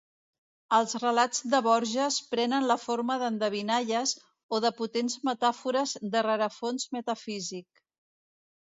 Els relats de Borges prenen la forma d'endevinalles, o de potents metàfores de rerefons metafísic.